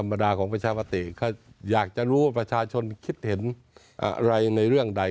บรรดาของประชาปติเขาอยากจะรู้ว่าประชาชนคิดเห็นอะไรในเรื่องใด